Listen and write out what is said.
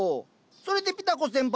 それでピタ子先輩